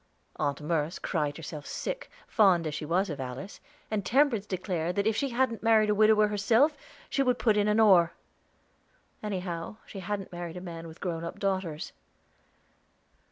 Aunt Merce cried herself sick, fond as she was of Alice, and Temperance declared that if she hadn't married a widower herself, she would put in an oar. Anyhow, she hadn't married a man with grown up daughters.